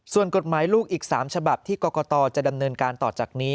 ส่วนกฎหมายลูกอีก๓ฉบับที่กรกตจะดำเนินการต่อจากนี้